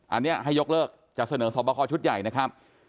อันนี้ให้ยกเลิกจะเสนอสอบคอชุดใหญ่นะครับ